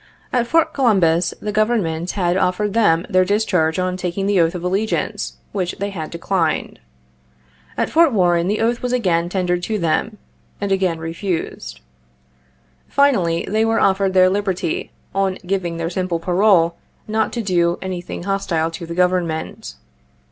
At Fort Columbus the Government had offered them their discharge on taking the oath of allegiance, which they had declined. At Fort Warren the oath was again tendered to them, and again refused. Finally, they were offered their liberty on giving their simple parole not to do anything hostile to the Government.